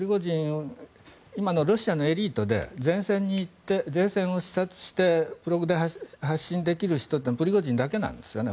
今のロシアのエリートで前線を視察してブログで発信できる人はプリゴジンだけなんですね。